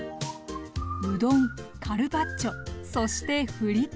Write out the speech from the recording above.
うどんカルパッチョそしてフリット。